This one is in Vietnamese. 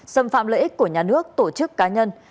xâm phạm lợi ích của nhà nước tổ chức cá nhân